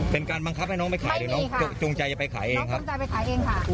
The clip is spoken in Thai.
เป็นการบังคับให้น้องไปขายหรือน้องจูงใจจะไปขายเองครับจูงใจไปขายเองค่ะ